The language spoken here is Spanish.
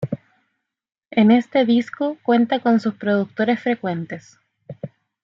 En este disco cuenta con sus productores frecuentes.